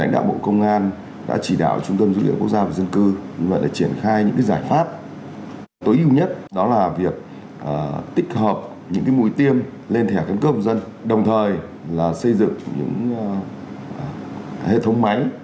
đồng thời là việc tích hợp những mũi tiêm lên thẻ căn cước công dân đồng thời là xây dựng những hệ thống máy